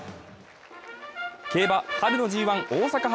競馬・春のＧⅠ大阪杯。